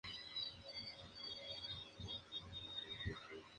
Se hablaba del motor y cuerdas de las alas.